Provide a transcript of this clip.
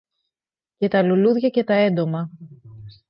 και τα λουλούδια και τα έντομα.